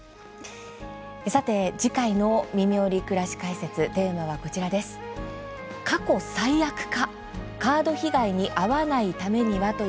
さて次回の「みみより！くらし解説」テーマはこちらです。